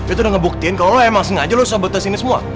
itu udah ngebuktiin kalo lo emang sengaja lo sabut tas ini semua